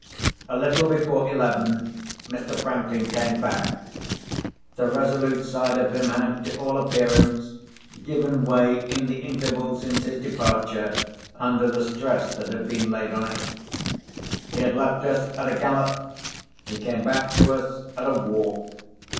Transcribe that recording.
A little before eleven Mr. Franklin came back. The resolute side of him had, to all appearance, given way, in the interval since his departure, under the stress that had been laid on it. He had left us at a gallop; he came back to us at a walk.